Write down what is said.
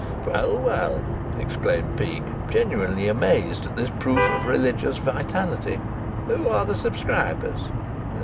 "Well, well!" exclaimed Peake, genuinely amazed at this proof of religious vitality. "Who are the subscribers?"